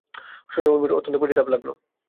শুনে ঊর্মির অত্যন্ত পরিতাপ লাগল।